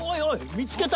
見つけた！